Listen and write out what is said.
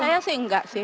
saya sih enggak sih